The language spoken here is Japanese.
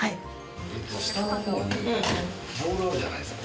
下にボールあるじゃないですか。